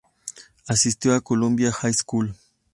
Asistió a Columbia High School.